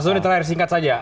mas doni terakhir singkat saja